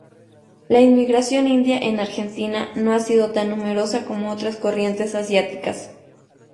La inmigración india en Argentina no ha sido tan numerosa como otras corrientes asiáticas.